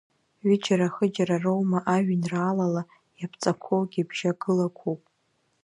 Ҩыџьара, хыџьара роума ажәеинраалала иаԥҵақәоугьы бжьагылақәоуп.